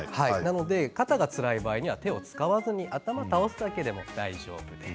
肩がつらい場合には、手を使わずに頭を倒すだけでも大丈夫です。